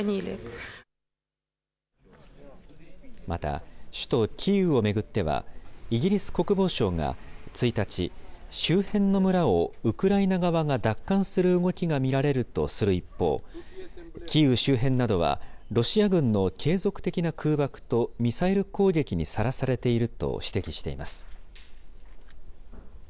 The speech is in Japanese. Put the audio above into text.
また、首都キーウを巡っては、イギリス国防省が１日、周辺の村をウクライナ側が奪還する動きが見られるとする一方、キーウ周辺などは、ロシア軍の継続的な空爆と、ミサイル攻撃にさらされていると指摘しています。